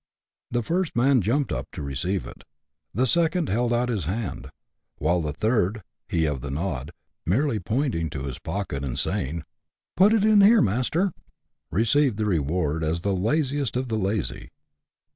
The first man jumped up to receive it ; the second held out his hand ; while the third^ — he of the nod — merely pointing to his pocket, and saying, " Put it in here, master," received the reward, as the laziest of the lazy.